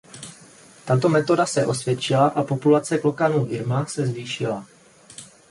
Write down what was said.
Tato metoda se osvědčila a populace klokanů irma se zvýšila.